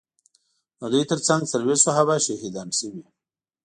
د دوی ترڅنګ څلوېښت صحابه شهیدان شوي.